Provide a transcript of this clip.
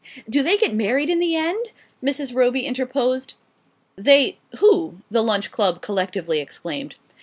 "Do they get married in the end?" Mrs. Roby interposed. "They who?" the Lunch Club collectively exclaimed.